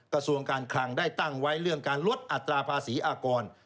กระทรวงการคลังได้ตั้งไว้เรื่องการลดอัตราภาษีอากร